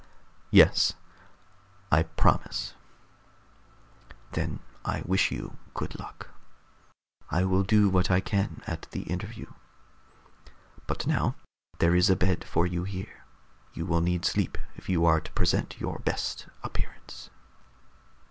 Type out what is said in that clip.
"Yes, I promise." "Then I wish you good luck. I will do what I can at the interview. But now there is a bed for you here. You will need sleep if you are to present your best appearance."